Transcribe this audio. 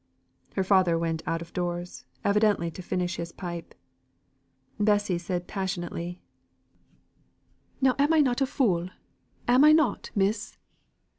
Her father went out of doors, evidently to finish his pipe. Bessy said passionately, "Now am not I a fool, am I not, Miss?